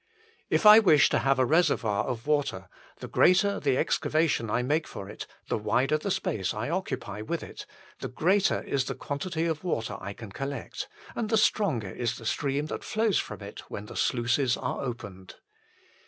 If I wish to have a reservoir of water, the greater the excavation I make for it, the wider the space I occupy with it, the greater is the quantity of water I can collect, and the stronger is the stream that flows from it when the sluices are opened.